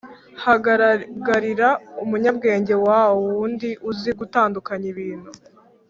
hagaragarira umunyabwenge, wa wundi uzi gutandukanya ibintu